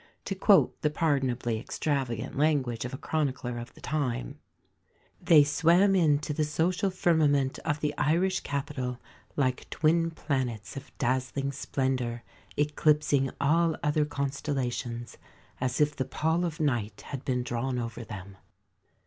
To quote the pardonably extravagant language of a chronicler of the time, "They swam into the social firmament of the Irish capital like twin planets of dazzling splendour, eclipsing all other constellations, as if the pall of night had been drawn over them."